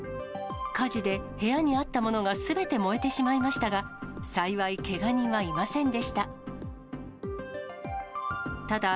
火事で部屋にあったものがすべて燃えてしまいましたが、幸い、けが人はいませんでした。